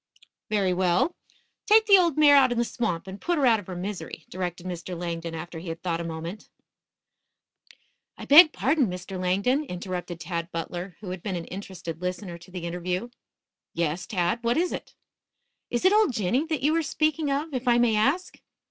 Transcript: "Very well, take the old mare out in the swamp and put her out of her misery," directed Mr. Langdon after he had thought a moment. "I beg pardon, Mr. Langdon," interrupted Tad Butler, who had been an interested listener to the interview. "Yes, Tad; what is it?" "Is it old Jinny that you are speaking of, if I may ask?"